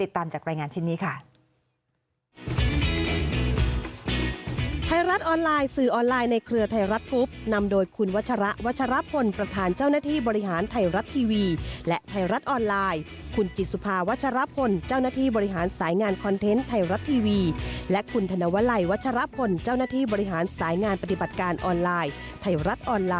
ติดตามจากรายงานชนิดนี้ค่ะ